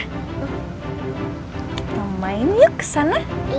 kita main yuk kesana